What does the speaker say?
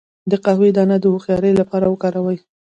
د قهوې دانه د هوښیارۍ لپاره وکاروئ